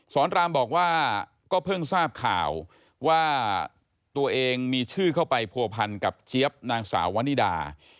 รามบอกว่าก็เพิ่งทราบข่าวว่าตัวเองมีชื่อเข้าไปผัวพันกับเจี๊ยบนางสาววนิดา